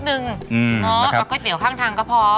เอาก๋วยเตี๋ยวข้างทางก็พอ